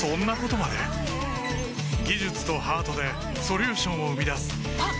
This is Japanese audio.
技術とハートでソリューションを生み出すあっ！